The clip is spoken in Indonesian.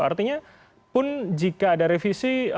artinya pun jika ada revisi